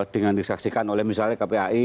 dengan disaksikan oleh misalnya kpai